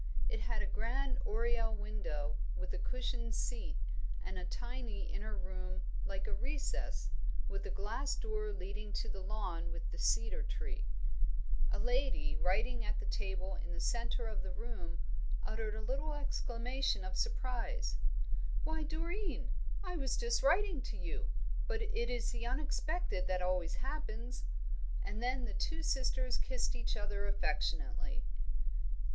It had a grand oriel window, with a cushioned seat, and a tiny inner room like a recess, with a glass door leading to the lawn with the cedar tree. A lady writing at a table in the centre of the room uttered a little exclamation of surprise. "Why, Doreen, I was just writing to you; but it is the unexpected that always happens." And then the two sisters kissed each other affectionately.